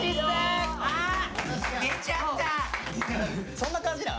そんな感じなん？